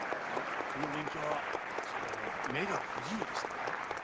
この御隠居はその目が不自由でしてな。